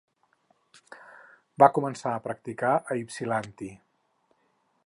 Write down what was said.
Va començar a practicar a Ypsilanti.